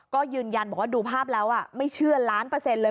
ก็ยืนยันบอกว่าดูภาพแล้วไม่เชื่อล้านเปอร์เซ็นต์เลย